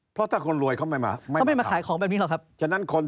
เพราะถ้าคนรวยเขาไม่มา